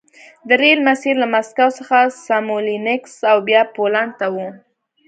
د ریل مسیر له مسکو څخه سمولینکس او بیا پولنډ ته و